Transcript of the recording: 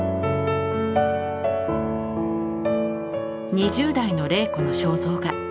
２０代の麗子の肖像画。